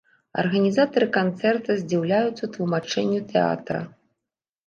Арганізатары канцэрта здзіўляюцца тлумачэнню тэатра.